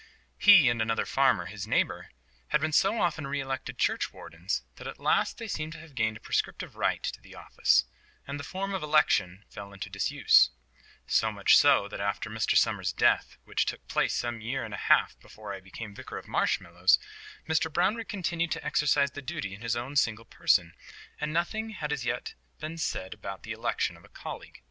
He, and another farmer, his neighbour, had been so often re elected churchwardens, that at last they seemed to have gained a prescriptive right to the office, and the form of election fell into disuse; so much so, that after Mr Summer's death, which took place some year and a half before I became Vicar of Marshmallows, Mr Brownrigg continued to exercise the duty in his own single person, and nothing had as yet been said about the election of a colleague.